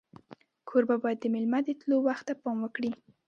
کوربه باید د میلمه د تلو وخت ته پام وکړي.